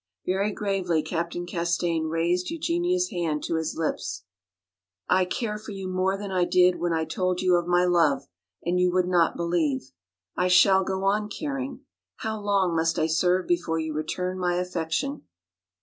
Very gravely Captain Castaigne raised Eugenia's hand to his lips. "I care for you more than I did when I told you of my love and you would not believe. I shall go on caring. How long must I serve before you return my affection?"